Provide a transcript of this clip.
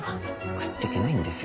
食っていけないんですよ